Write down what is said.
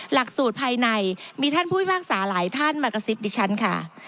หลักสูตรภายในมีท่านผู้พิพากษาหลายท่านมากระซิบดิฉันค่ะ